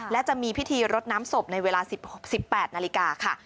และจะมีพิธีรดน้ำศพในเวลา๑๘นาฬิกาค่ะ